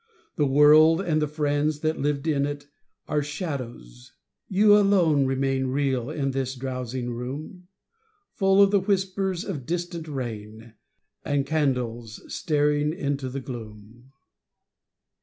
The world and the friends that lived in it Are shadows: you alone remain Real in this drowsing room, Full of the whispers of distant rain And candles staring into the gloom.